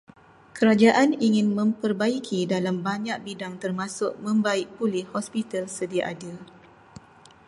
Kerajaan ingin memperbaiki dalam banyak bidang termasuk membaik pulih hospital sedia ada.